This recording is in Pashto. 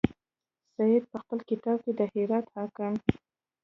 سید په خپل کتاب کې د هرات حاکم.